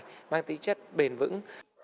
nó mang tính chất bền vững